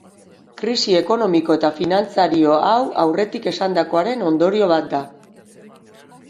Krisi ekonomiko eta finantzario hau aurretik esandakoaren ondorioa bat da.